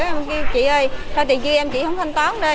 em kêu chị ơi sao tiền dư em chị không thanh toán đây